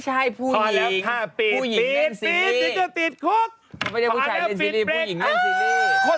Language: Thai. จริงเหรอ